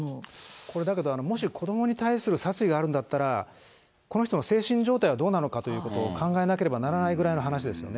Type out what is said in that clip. これ、だけど、もし子どもに対する殺意があるんだったら、この人の精神状態はどうなのかというところを考えなければならないぐらいの話ですよね。